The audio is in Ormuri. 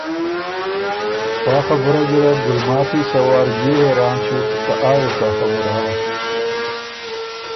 پا خبُره ګیرډ ګلماتی سۀ وار بيې حېران ݭیوک که آ يې څا خبُره هۀ؟